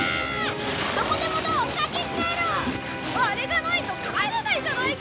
あれがないと帰れないじゃないか！